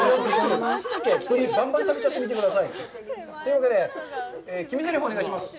栗、ばんばん食べちゃってみてください。というわけで、決めぜりふをお願いします。